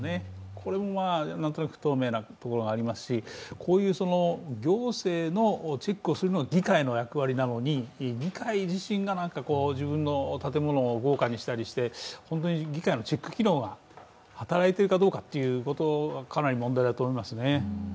これも不透明なところがありますしこういう、行政のチェックをするのが議会の役割なのに議会自身が自分の建物を豪華にしたりして、本当に議会のチェック機能が働いているかどうかがかなり問題だと思いますね。